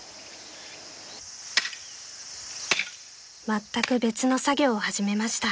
［まったく別の作業を始めました。